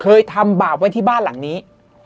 เคยทำบาปไว้ที่บ้านหลังนี้